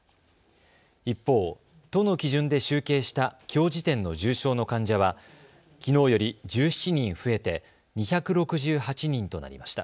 一方、都の基準で集計したきょう時点の重症の患者はきのうより１７人増えて２６８人となりました。